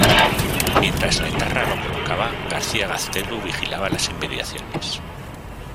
Mientras la etarra lo colocaba, García Gaztelu vigilaba las inmediaciones.